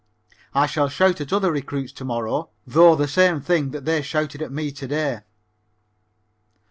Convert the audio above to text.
I shall shout at other recruits to morrow, though, the same thing that they shouted at me to day.